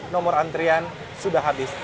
nomor antrian sudah habis